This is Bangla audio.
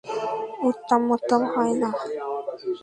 উত্তমমধ্যম হয় না।